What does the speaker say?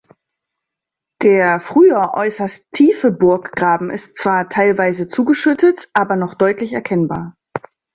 Der früher äußerst tiefe Burggraben ist zwar teilweise zugeschüttet, aber noch deutlich erkennbar.